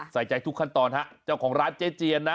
ใส่ใจทุกขั้นตอนฮะเจ้าของร้านเจ๊เจียนนะ